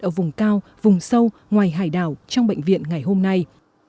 ở vùng cao vùng sâu ngoài hải đảo trong bệnh viện ngày hôm nay